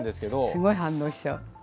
すごい反応しちゃう。